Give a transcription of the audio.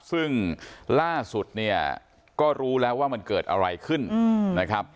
ซึ่งล่าสุดเนี่ยก็รู้แล้วว่ามันเกิดอะไรขึ้นนะครับ